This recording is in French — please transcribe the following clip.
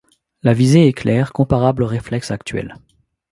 La visée est claire, comparable aux reflex actuels.